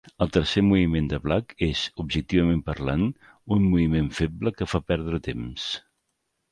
El tercer moviment de Black és, objectivament parlant, un moviment feble que fa perdre temps.